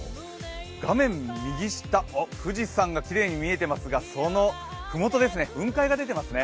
画面右下、富士山がきれいに見えていますがその麓、雲海が出ていますね。